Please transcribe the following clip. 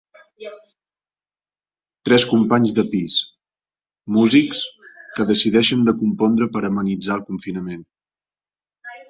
Tres companys de pis, músics, que decideixen de compondre per amenitzar el confinament.